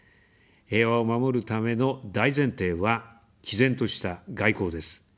平和を守るための大前提は、きぜんとした外交です。